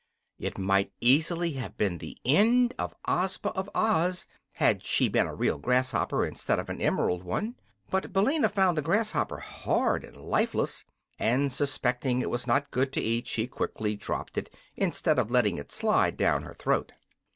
It might easily have been the end of Ozma of Oz, had she been a real grasshopper instead of an emerald one. But Billina found the grasshopper hard and lifeless, and suspecting it was not good to eat she quickly dropped it instead of letting it slide down her throat.